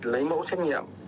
lấy mẫu xét nghiệm